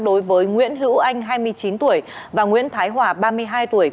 đối với nguyễn hữu anh hai mươi chín tuổi và nguyễn thái hòa ba mươi hai tuổi